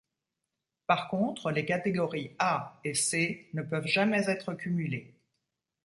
Par contre, les catégories A et C ne peuvent jamais être cumulées.